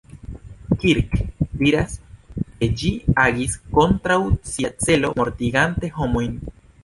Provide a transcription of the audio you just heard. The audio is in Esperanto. Kirk diras, ke ĝi agis kontraŭ sia celo mortigante homojn.